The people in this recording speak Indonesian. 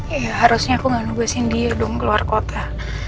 ya harusnya aku gak nubesin dia dong ke luar kota